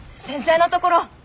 先生のところ。